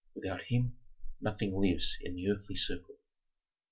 Without him nothing lives in the earthly circle."